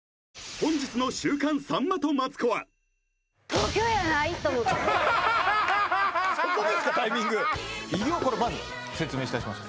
本日の「週刊さんまとマツコ」は東京やないと思ったのそこですかタイミング偉業をこのまず説明いたします